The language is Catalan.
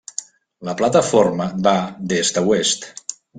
La plataforma va d'est a oest.